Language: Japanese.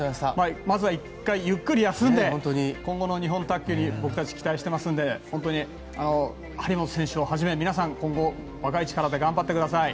まずは１回、ゆっくり休んで今後の日本卓球のご活躍を僕たち期待していますので本当に張本選手をはじめ皆さん、今後若い力で頑張ってください。